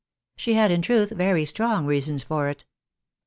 She had, in truth, very strong reasons for it.